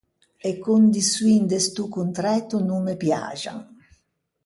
E condiçioin de sto contræto no me piaxan.